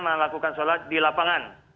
melakukan sholat di lapangan